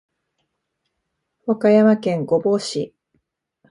和歌山県御坊市